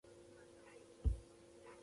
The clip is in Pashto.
ایا زه باید تهمت وکړم؟